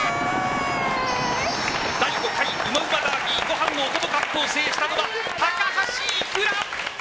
第５回うまうまダービーご飯のお供カップを制したのは高橋いくら！